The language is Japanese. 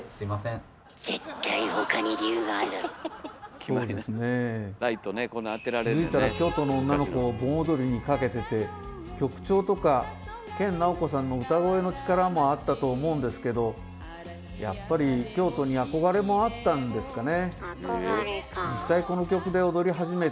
気付いたら「京都の女の子」を盆踊りにかけてて曲調とか研ナオコさんの歌声の力もあったと思うんですけどやっぱり京都に憧れもあったんですかね。